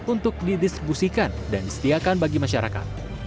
untuk didistribusikan dan disediakan bagi masyarakat